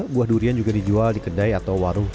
buah durian juga dijual di kedai atau warung